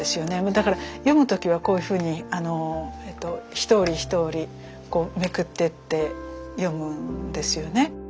だから読む時はこういうふうに一折り一折りこうめくってって読むんですよね。